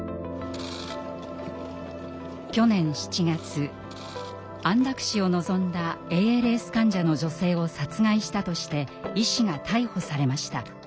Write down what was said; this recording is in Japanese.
去年７月安楽死を望んだＡＬＳ患者の女性を殺害したとして医師が逮捕されました。